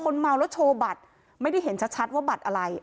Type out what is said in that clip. เมาแล้วโชว์บัตรไม่ได้เห็นชัดว่าบัตรอะไร